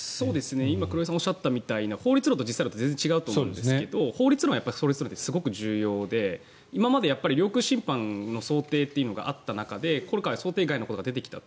今、黒井さんがおっしゃったみたいな法律論と実際は全然違うと思いますが法律論は法律論ですごい重要で今まで領空侵犯の想定というのがあった中で今回想定外のことが出てきたと。